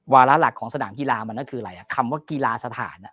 วาระหลักของสนามกีฬามันก็คืออะไรคำว่ากีฬาสถาน